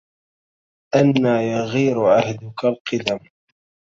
أنى يغير عهدك القدم